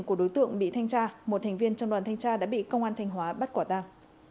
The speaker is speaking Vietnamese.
của đối tượng bị thanh tra một thành viên trong đoàn thanh tra đã bị công an thanh hóa bắt quả tang